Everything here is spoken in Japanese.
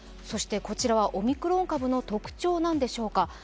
こちらはオミクロン株の特徴なんでしょうか